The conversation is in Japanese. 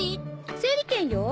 整理券よ。